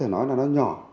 nói là nó nhỏ